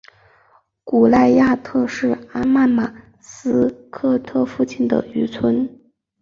古赖亚特是阿曼马斯喀特附近的渔村。